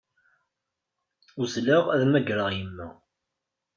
Uzzleɣ ad mmagreɣ yemma.